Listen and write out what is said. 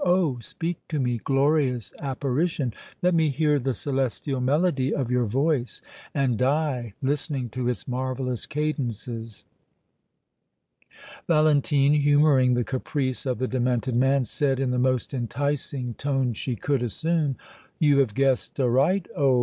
Oh! speak to me, glorious apparition! Let me hear the celestial melody of your voice and die listening to its marvellous cadences!" Valentine, humoring the caprice of the demented man, said, in the most enticing tone she could assume: "You have guessed aright, oh!